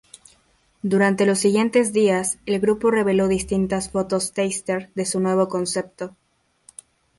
Durante los siguientes días, el grupo reveló distintas fotos teaser de su nuevo concepto.